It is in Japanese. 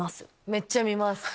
めっちゃ見ます。